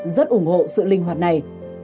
rất ủng hộ sự linh hoạt này